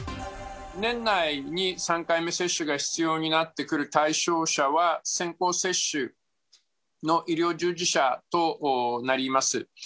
年内に３回目接種が必要になってくる対象者は、先行接種の医療従事者となります。